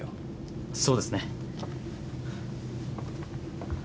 そうですね。